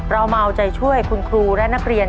เรามาเอาใจช่วยคุณครูและนักเรียน